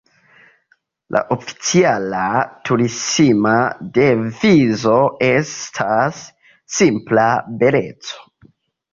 La oficiala turisma devizo estas "Simpla Beleco".